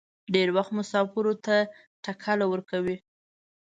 ډېر وخت مسافرو ته ټکله ورکوي.